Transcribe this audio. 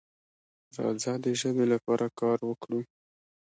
راځه د ژبې لپاره کار وکړو.